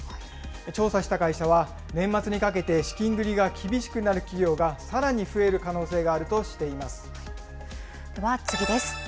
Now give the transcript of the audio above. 調査した会社は、年末にかけて資金繰りが厳しくなる企業がさらに増える可能性があでは次です。